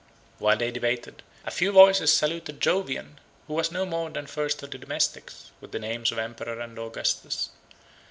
While they debated, a few voices saluted Jovian, who was no more than first 101 of the domestics, with the names of Emperor and Augustus.